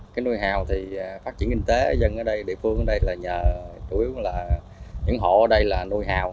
cái nuôi heo thì phát triển kinh tế ở dân ở đây địa phương ở đây là nhờ chủ yếu là những hộ ở đây là nuôi hào